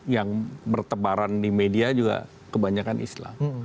yang bertebaran di media juga kebanyakan islam